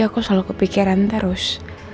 aku selalu kepikiran terus